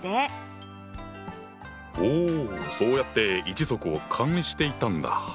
おおそうやって一族を管理していたんだ。